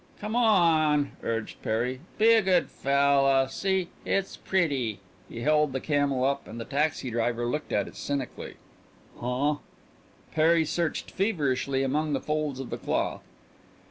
"Come on!" urged Perry. "Be a good fella. See it's pretty!" He held the camel up and the taxi driver looked at it cynically. "Huh!" Perry searched feverishly among the folds of the cloth.